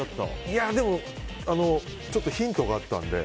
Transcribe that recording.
でも、ちょっとヒントがあったので。